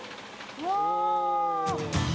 ◆うわ。